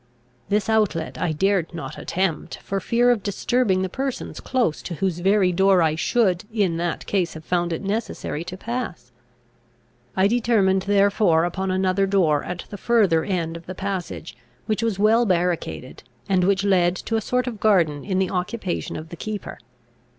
This outlet I dared not attempt, for fear of disturbing the persons close to whose very door I should in that case have found it necessary to pass. I determined therefore upon another door at the further end of the passage, which was well barricaded, and which led to a sort of garden in the occupation of the keeper.